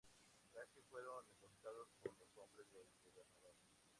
Casi fueron emboscados por los hombres del Gobernador.